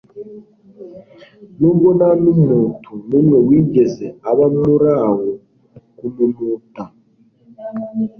Nubwo nta nmutu n'umwe wigeze aba mulauu kumumta,